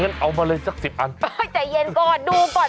อย่างงั้นเอามาเลยสักสิบอันโอ้ยใจเย็นก่อนดูก่อน